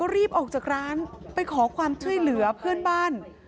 รีบออกจากร้านไปขอความช่วยเหลือเพื่อนบ้าน